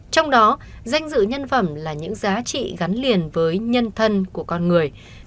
trong đó danh dự nhân phẩm là những giá trị gắn liền với nhân thân của con người